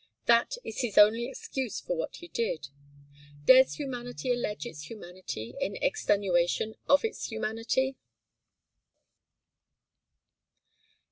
That is his only excuse for what he did. Dares humanity allege its humanity in extenuation of its humanity?